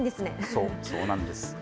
そう、そうなんです。